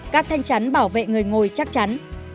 các thanh chắn bảo vệ người ngồi chắc chắn